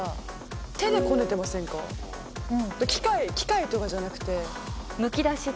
機械とかじゃなくて。